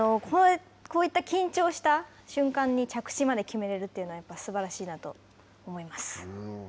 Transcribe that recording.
こういった緊張した瞬間に、着地まで決めれるというのは、やっぱりすばらしいなと思います。